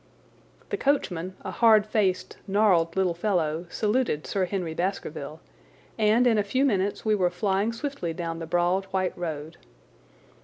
The coachman, a hard faced, gnarled little fellow, saluted Sir Henry Baskerville, and in a few minutes we were flying swiftly down the broad, white road.